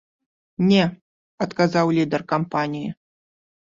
Не, адказаў лідэр кампаніі.